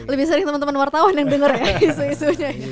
lebih sering temen temen wartawan yang dengar ya